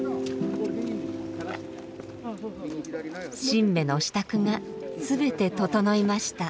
神馬の支度が全て整いました。